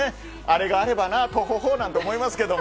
あれがあればなとほほなんて思いますけど。